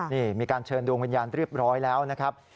นี่มีการเชิญดวงวิญญาณเรียบร้อยแล้วนะครับ